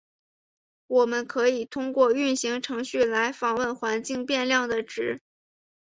我们可以通过运行程序来访问环境变量的值。